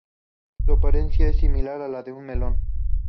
Su apariencia es similar a la de un melón.